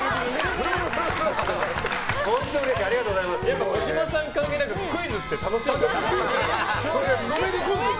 でも児嶋さん関係なくクイズって楽しいなと。